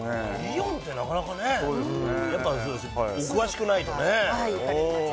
リヨンってなかなかね、お詳しくないとね。